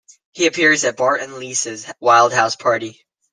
He appears at Bart and Lisa's wild house party.